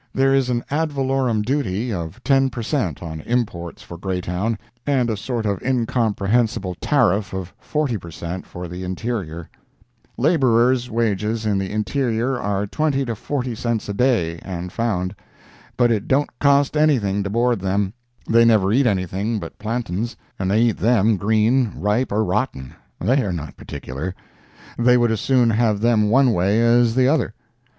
There is an ad valorem duty of ten per cent on imports for Greytown, and a sort of incomprehensible tariff of forty per cent for the interior. Laborers' wages in the interior are 20 to 40 cents a day and found. But it don't cost anything to board them; they never eat anything but plantains, and they eat them green, ripe or rotten—they are not particular—they would as soon have them one way as the other.